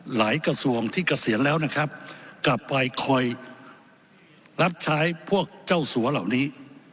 กระทรวงที่เกษียณแล้วนะครับกลับไปคอยรับใช้พวกเจ้าสัวเหล่านี้